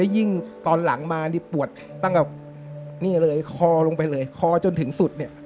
ยิ่งตอนหลังมาปวดตั้งกับคอลงไปเลยคอลงจนถึงสุด